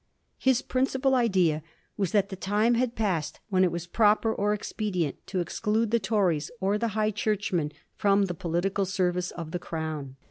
His principal idea was that the time had passed when it was proper or expedient to exclude the Tories or the High Churchmen from the political service of the Crown.